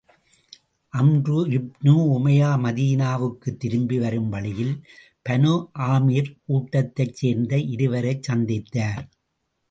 அம்ரு ibn Umayya மதீனாவுக்குத் திரும்பி வரும் வழியில் பனு ஆமீர் கூட்டத்தைச் சேர்ந்த இருவரைச் சந்தித்தார்.